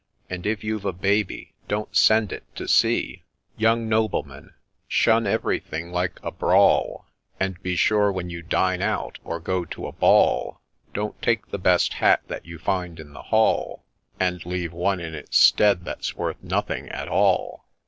And if you've a baby, don't send it to sea !' Young Noblemen ! shun everything like a brawl ; And be sure when you dine out, or go to a ball, Don't take the best hat that you find in the hall, And leave one in its stead that 's worth nothing at all